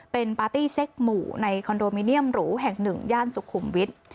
เป็นปาร์ตี้เซ็กหมู่ในคอนโดมิเนียมหรูแห่งหนึ่งย่านสุขุมวิทย์